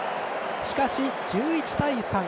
しかし、１１対３。